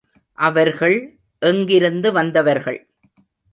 அவர்கள் எங்கிருந்து வந்தவர்கள்?